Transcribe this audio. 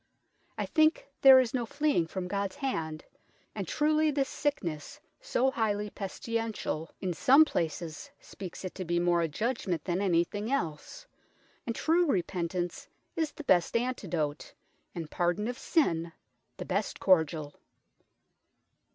I thinke there is no fleeing from God's hand, and truely this sicknes so highly pesti lential in some places speakes it to be more a judgment than anything else, and true repentance is the best antidote, and pardon of sin the best cordiall."